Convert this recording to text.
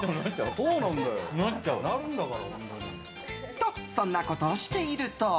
と、そんなことをしていると。